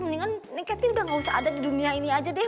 mendingan niketnya udah gak usah ada di dunia ini aja deh